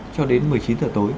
cho đến một mươi chín giờ tối